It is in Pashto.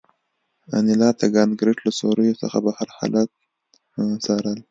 انیلا د کانکریټ له سوریو څخه بهر حالات څارل